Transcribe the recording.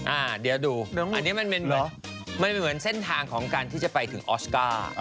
อ่าเดี๋ยวดูอันนี้มันเป็นแบบมันเป็นเหมือนเส้นทางของการที่จะไปถึงออสการ์